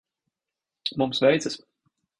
Mums veicas.